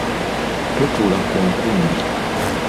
Totuula ku nkumbi.